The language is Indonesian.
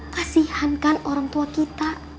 kasihankan orang tua kita